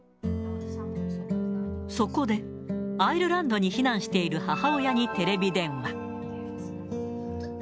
そこでアイルランドに避難している母親にテレビ電話。